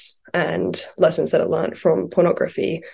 dan pelajaran yang telah diperlukan dari pornografi